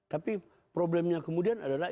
tapi problemnya kemudian adalah